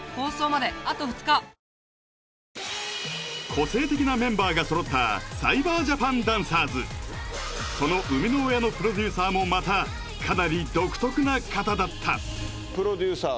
個性的なメンバーが揃ったサイバージャパンダンサーズその生みの親のプロデューサーもまたかなり独特な方だったプロデューサー